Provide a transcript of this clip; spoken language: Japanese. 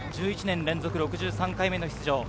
１１年連続６３回目の出場。